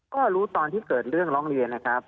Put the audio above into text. ก็รู้ตอนที่เกิดเรื่องร้องเรียนนะครับ